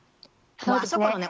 あそこのね